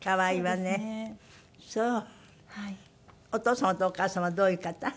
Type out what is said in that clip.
お父様とお母様はどういう方？